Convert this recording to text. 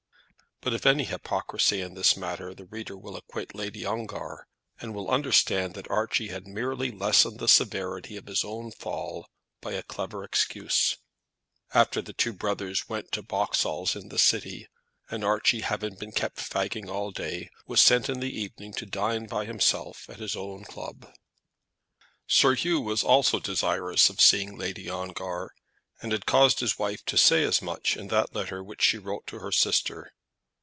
But of any hypocrisy in this matter the reader will acquit Lady Ongar, and will understand that Archie had merely lessened the severity of his own fall by a clever excuse. After that the two brothers went to Boxall's in the City, and Archie, having been kept fagging all day, was sent in the evening to dine by himself at his own club. Sir Hugh also was desirous of seeing Lady Ongar, and had caused his wife to say as much in that letter which she wrote to her sister.